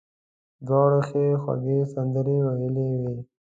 دواړو ښې خوږې سندرې ویلې وې.